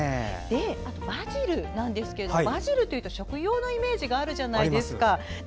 バジルなんですがバジルというと食用のイメージがあるじゃないですか。